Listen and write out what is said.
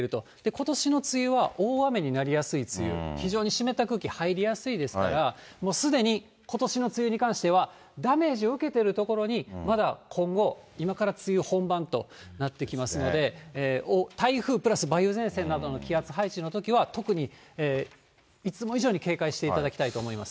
ことしの梅雨は大雨になりやすい梅雨、非常に湿った空気入りやすいですから、もうすでにことしの梅雨に関しては、ダメージを受けている所に、まだ今後、今から梅雨本番となってきますので、台風プラス梅雨前線などの気圧配置のときは、特にいつも以上に警戒していただきたいと思います。